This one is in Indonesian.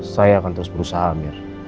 saya akan terus berusaha ambil